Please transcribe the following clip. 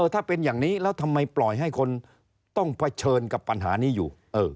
ถ้าเป็นอย่างนี้แล้วทำไมปล่อยให้คนต้องเผชิญกับปัญหานี้อยู่